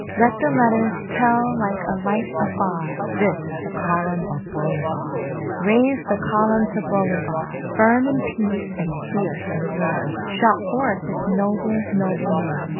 Let the letters tell like a light afar, "This is the Column of Bolivar!"_ _Raise the Column to Bolivar! Firm in peace, and fierce in war! Shout forth his noble, noble name!